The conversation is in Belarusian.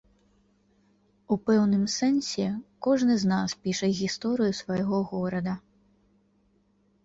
У пэўным сэнсе кожны з нас піша гісторыю свайго горада.